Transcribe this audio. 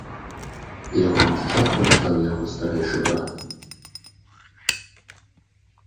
Яго нашчадкам стаў яго старэйшы брат.